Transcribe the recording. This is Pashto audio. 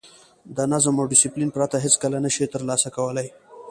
د نظم او ډیسپلین پرته هېڅکله نه شئ ترلاسه کولای.